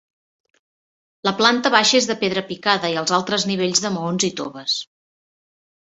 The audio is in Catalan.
La planta baixa és de pedra picada i els altres nivells de maons i toves.